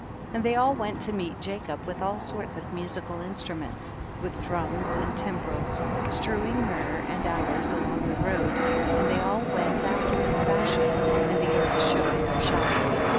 And they all went to meet Ja cob with all sorts of musical instru ments, with drums and timbrels^, strewing myrrh and aloes all along the road, and they all went after this fashion, and the earth shook at their shouting.